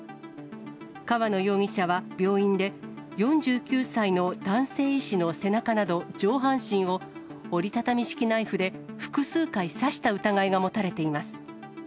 川野容疑者は病院で、４９歳の男性医師の背中など上半身を折り畳み式ナイフで複数回刺した疑いが持たれています。